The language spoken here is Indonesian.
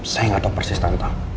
saya gak tau persis tante